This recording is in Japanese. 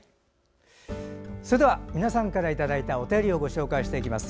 それでは皆さんからいただいたお便りをご紹介していきます